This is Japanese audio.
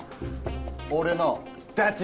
俺のダチ。